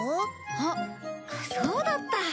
あっそうだった。